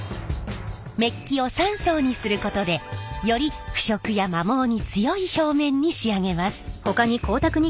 めっきを３層にすることでより腐食や摩耗に強い表面に仕上げます。